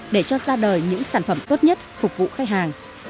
để cho ra đời những sản phẩm tốt nhất phục vụ khách hàng